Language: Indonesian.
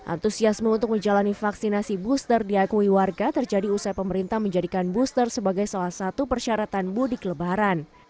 antusiasme untuk menjalani vaksinasi booster diakui warga terjadi usai pemerintah menjadikan booster sebagai salah satu persyaratan mudik lebaran